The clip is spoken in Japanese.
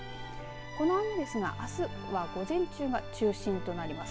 この雨ですがあすは午前中が中心となります。